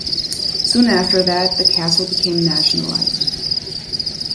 Soon after that, the castle became nationalized.